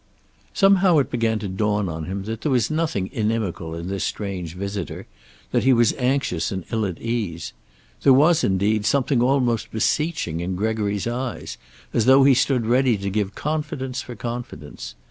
Somehow it began to dawn on him that there was nothing inimical in this strange visitor, that he was anxious and ill at ease. There was, indeed, something almost beseeching in Gregory's eyes, as though he stood ready to give confidence for confidence.